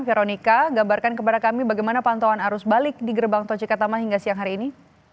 veronica gambarkan kepada kami bagaimana pantauan arus balik di gerbang tol cikatama hingga siang hari ini